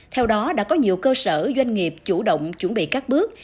theo đó đã có nhiều cơ sở doanh nghiệp chủ động chuẩn bị các bước